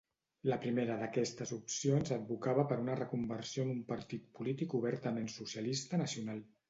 La primera d'aquestes opcions advocava per una reconversió en partit polític obertament socialista nacional.